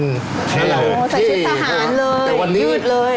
ใส่ชุดสหารเลยยืดเลย